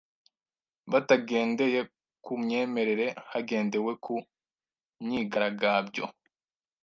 batagendeye ku myemerere hagendewe ku myigaragabyo